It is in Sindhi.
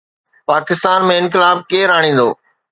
پاڪستان ۾ انقلاب ڪير آڻيندو؟